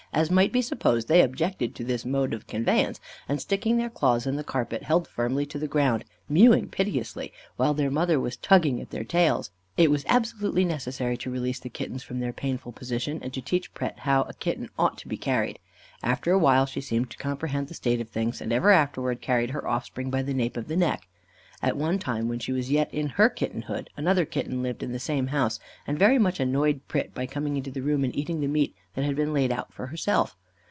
As might be supposed, they objected to this mode of conveyance, and sticking their claws in the carpet, held firmly to the ground, mewing piteously, while their mother was tugging at their tails. It was absolutely necessary to release the kittens from their painful position, and to teach Pret how a kitten ought to be carried. After a while, she seemed to comprehend the state of things, and ever afterwards carried her offspring by the nape of the neck. At one time, when she was yet in her kittenhood, another kitten lived in the same house, and very much annoyed Pret, by coming into the room and eating the meat that had been laid out for herself.